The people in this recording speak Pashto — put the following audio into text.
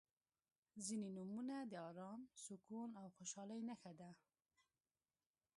• ځینې نومونه د ارام، سکون او خوشحالۍ نښه ده.